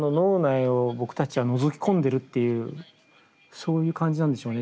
そういう感じなんでしょうね